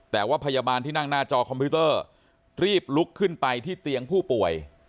แต่ว่าพยาบาลที่นั่งหน้าจอคอมพิวเตอร์รีบลุกขึ้นไปที่เตียงผู้ป่วย